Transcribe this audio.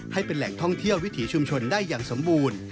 ให้เป็นแหล่งท่องเที่ยววิถีชุมชนได้อย่างสมบูรณ์